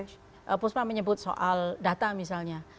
tuan ousma menyebut soal data misalnya